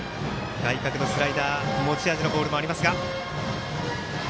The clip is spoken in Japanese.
外角のスライダー持ち味のボールもあります。